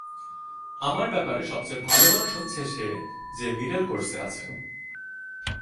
আমার ব্যাপারে সবচেয়ে ভালো মানুষ হচ্ছে সে যে মিডল কোর্সে আছে।